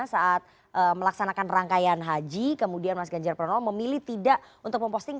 saat melaksanakan rangkaian haji kemudian mas ganjar pranowo memilih tidak untuk memposting